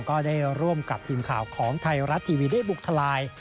ก็ได้ร่วมกับทีมข่าวของไทยรัฐทีวีได้บุกทลาย